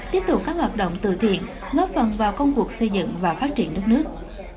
tiếp tục các hoạt động từ thiện góp phần vào công cuộc xây dựng và phát triển đất nước